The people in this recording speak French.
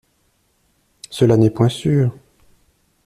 Cela n'est point sûr.